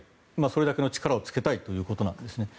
それだけの力をつけたいということなんですね。